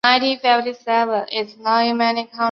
意大利财政卫队是意大利海关及其执法部队的总称。